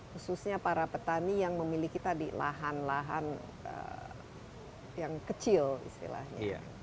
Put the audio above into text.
khususnya para petani yang memilih kita di lahan lahan yang kecil istilahnya